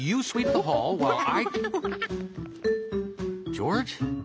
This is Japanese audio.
ジョージ？